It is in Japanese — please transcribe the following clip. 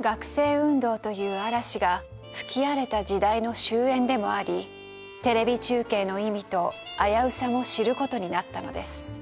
学生運動という嵐が吹き荒れた時代の終焉でもありテレビ中継の意味と危うさも知る事になったのです。